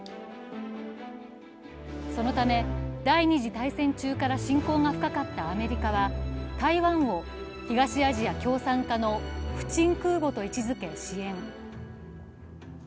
そのため、第二次大戦中から親交が深かったアメリカは台湾を東アジア共産化の不沈空母と位置づけ支援。